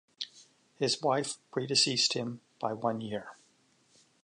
His wife predeceased him by one year.